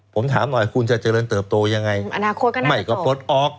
ผมถามหน่อยคุณจะเจริญเติบโตยังไงอนาคตกันไหมไม่ก็ปลดออก